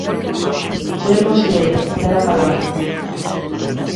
Señor conselleiro, ten a palabra.